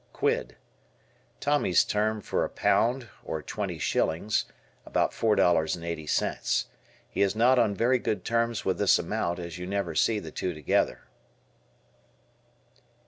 Quid. Tommy's term for a pound or twenty shillings (about $4.80). He is not on very good terms with this amount as you never see the two together.